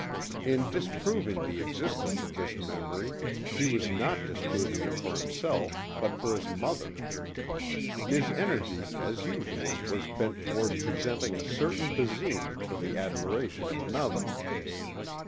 In disproving the existence of this memory he was not disproving it for himself but for his mother. His energy as usual was bent toward presenting a certain Basine for the admiration of another.